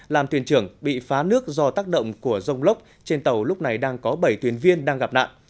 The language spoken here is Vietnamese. làm tuyển trưởng bị phá nước do tác động của dông lốc trên tàu lúc này đang có bảy tuyển viên đang gặp nạn